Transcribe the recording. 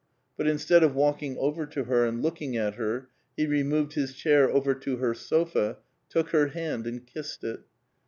But instead of walking over to her and looking at her, he removed his chair over to her sofa, took her hand and kissed it.